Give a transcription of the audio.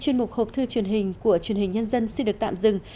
chuyên mục hộp thư truyền hình của truyền hình nhân dân xin được tạm dừng